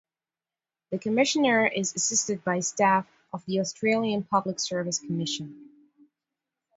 The Commissioner is assisted by staff of the Australian Public Service Commission.